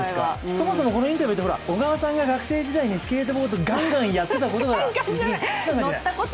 そもそもこのインタビューって小川さんが学生時代に、スケートボードをガンガンやってたことから実現したと。